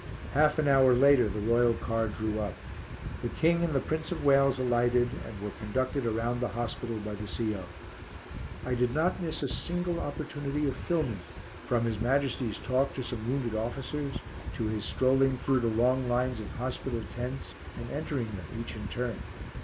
Half an hour later the royal car drew up. The King and the Prince of Wales alighted, and were conducted around the hospital by the C.O. I did not miss a single opportunity of filming, from His Majesty's talk to some wounded officers, to his strolling through the long lines of hospital tents and entering them each in turn.